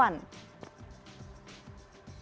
kalau tujuan wisata nggak perlu mahal tetep fun